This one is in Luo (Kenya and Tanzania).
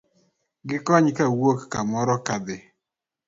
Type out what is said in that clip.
Gi kony kowuok kamoro kadhi